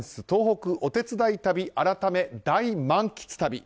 東北お手伝い旅改め大満喫旅。